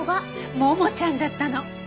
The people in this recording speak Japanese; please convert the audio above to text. ももちゃんだったの！